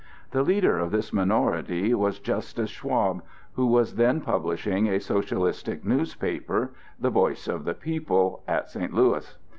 The leader of this minority was Justus Schwab, who was then publishing a socialistic newspaper, "The Voice of the People," at St. Louis.